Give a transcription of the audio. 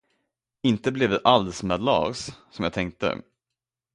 Inte blev det alls med Lars, som jag tänkte.